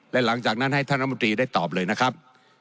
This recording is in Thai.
และหลังจากนั้นให้ท่านรัฐมนตรีได้ตอบเลยนะครับ